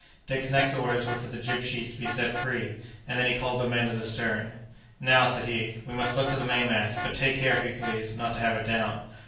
Dick's next orders were for the jib sheets to be set free, and then he called the men to the stern. "Now," said he; "we must look to the main mast; but take care, Hercules, not to have it down."